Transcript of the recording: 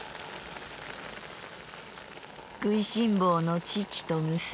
食いしん坊の父と娘